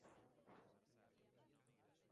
Existían versiones de cambio manual y automático.